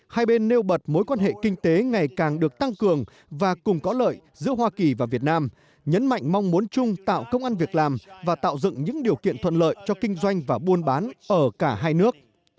hai bên nêu bật mối quan hệ kinh tế ngày càng được tăng cường và cùng có lợi giữa hoa kỳ và việt nam nhấn mạnh mong muốn chung tạo công an việc làm và tạo dựng những điều kiện thuận lợi cho kinh doanh và buôn bán ở cả hai nước